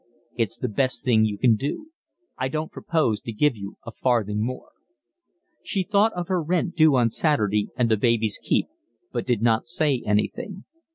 "It's the best thing you can do. I don't propose to give you a farthing more." She thought of her rent due on Saturday and the baby's keep, but did not say anything.